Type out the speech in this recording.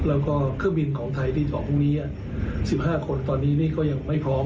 แล้วก็เครื่องบินของไทยที่จอดพรุ่งนี้๑๕คนตอนนี้นี่ก็ยังไม่พร้อม